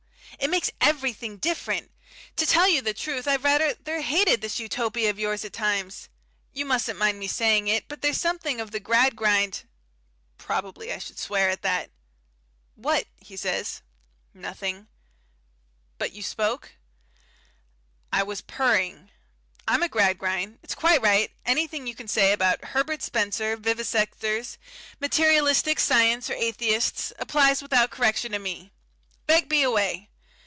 It makes everything different. To tell you the truth I've rather hated this Utopia of yours at times. You mustn't mind my saying it, but there's something of the Gradgrind " Probably I should swear at that. "What?" he says. "Nothing." "But you spoke?" "I was purring. I'm a Gradgrind it's quite right anything you can say about Herbert Spencer, vivisectors, materialistic Science or Atheists, applies without correction to me. Begbie away!